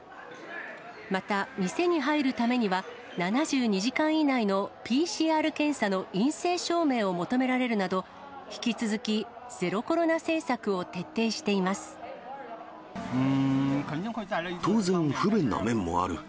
また、店に入るためには、７２時間以内のＰＣＲ検査の陰性証明を求められるなど、引き続き当然、不便な面もある。